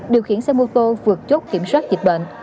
điều khiển xe mô tô vượt chốt kiểm soát dịch bệnh